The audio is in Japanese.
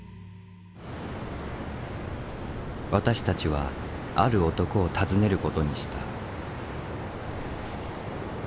私たちはある男を訪ねることにした。